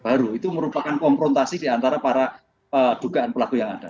saya akan konfrontasi diantara para dugaan pelaku yang ada